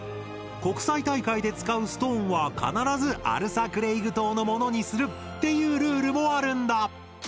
国際大会で使うストーンは必ずアルサクレイグ島のものにするっていうルールもあるんだ！